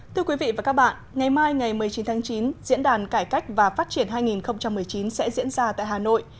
thưa quý vị và các bạn ngày mai ngày một mươi chín tháng chín diễn đàn cải cách và phát triển hai nghìn một mươi chín sẽ diễn ra tại hà nội